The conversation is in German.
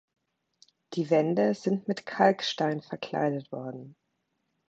Die Wände sind mit Kalkstein verkleidet worden.